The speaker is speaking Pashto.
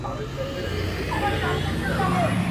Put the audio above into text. ځکه لاهم پاته څو تڼۍ پر ګرېوانه لرم,